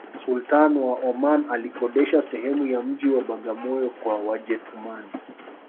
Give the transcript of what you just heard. sultani wa oman alikodisha sehemu ya mji wa bagamoyo kwa wajetumani